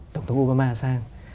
tổng thống obama sang